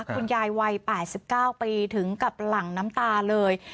คุณยายวัย๘๙ปีถึงกับหลั่งน้ำตาเลย